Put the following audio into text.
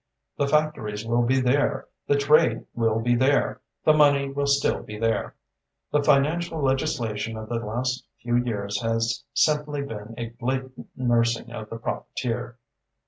"The factories will be there, the trade will be there, the money will still be there. The financial legislation of the last few years has simply been a blatant nursing of the profiteer."